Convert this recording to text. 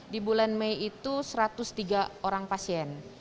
di bulan mei itu satu ratus tiga orang pasien